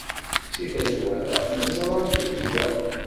seg tazwara i teẓra amek i tga.